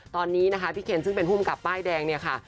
ตอนนี้นะคะพี่เคนซึ่งเป็นภูมิกับป้ายแดงเนี่ยค่ะ